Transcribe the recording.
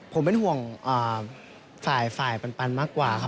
ผมเป็นห่วงฝ่ายปันมากกว่าครับ